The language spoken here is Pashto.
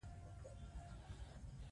بس ما هم پیدا کولای سی یارانو